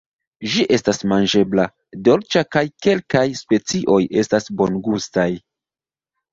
Ĝi estas manĝebla, dolĉa kaj kelkaj specioj estas bongustaj.